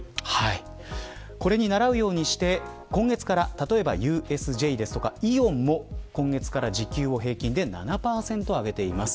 これにならうようにして今月から例えばＵＳＪやイオンも今月から時給を平均で７％上げています。